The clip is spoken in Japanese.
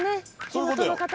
そういうことよ。